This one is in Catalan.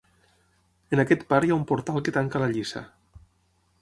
En aquest part hi ha un portal que tanca la lliça.